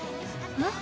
えっ？